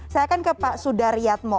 saya akan ke pak sudaryatmo